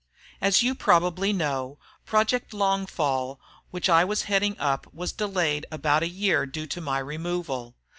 As you probably know, Project Longfall, which I was heading up was delayed about a year due to my removal.